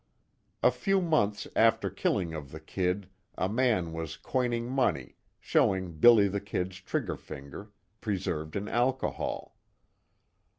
A few months after the killing of the "Kid," a man was coining money, showing "Billy the Kid's" trigger finger, preserved in alcohol.